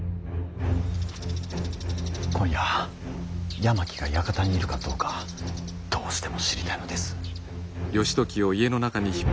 今夜山木が館にいるかどうかどうしても知りたいのです。